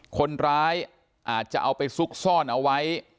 คนร้ายอาจจะเอาไปซุกซ่อนเอาไว้